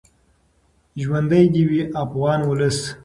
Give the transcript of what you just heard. ژوندی دې وي افغان ولس.